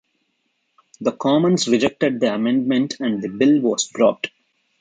The Commons rejected the amendment and the bill was dropped.